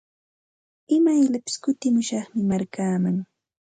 Imayllapis kutimushaqmi markaaman.